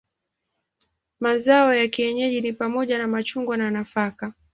Mazao ya kienyeji ni pamoja na machungwa na nafaka.